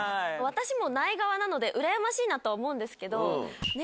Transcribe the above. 私もない側なのでうらやましいなとは思うんですけど。